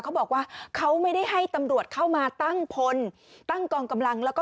เขาบอกว่าเขาไม่ได้ให้ตำรวจเข้ามาตั้งพล